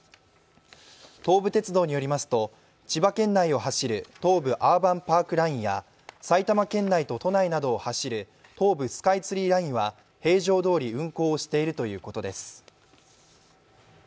東武鉄道によりますと千葉県内を走る東武アーバンパークラインや埼玉県内と都内などを走る東武スカイツリーラインは平常どおり運行しているということです。